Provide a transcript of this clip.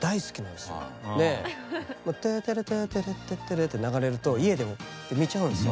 でテーテレテーテレテッテレって流れると家でもって見ちゃうんですよ。